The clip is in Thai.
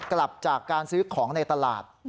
กลับจากการซื้อของในตลาด